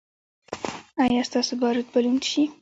ایا ستاسو باروت به لوند شي؟